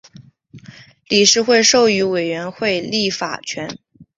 理事会授予委员会立法权。